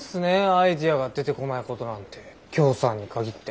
アイデアが出てこないことなんてきょーさんに限って。